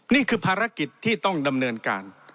นี่คือภารกิจที่ต้องดำเนินการ